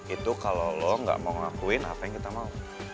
itu kalau lo gak mau ngelakuin apa yang kita mau